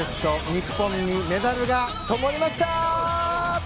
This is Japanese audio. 日本にメダルが灯りました！